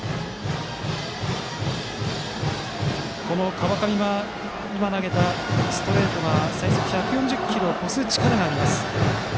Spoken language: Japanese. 川上が今投げたストレート最速１４０キロを超す力があります。